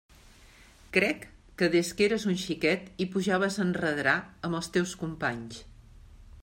Crec que des que eres un xiquet i pujaves a enredrar amb els teus companys.